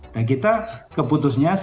dan kita keputusannya sepuluh sekolah